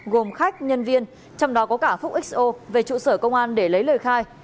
gồm khách nhân viên trong đó có cả phúc xo về trụ sở công an để lấy lời khai